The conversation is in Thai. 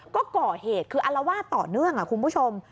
ก็ก่อเหตุคืออารวาสต่อเนื่องคุณผู้ชม